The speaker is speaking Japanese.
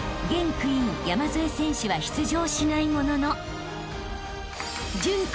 クイーン山添選手は出場しないものの］